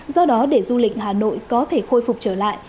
do đó để du lịch hà nội có thể khôi phục trở lại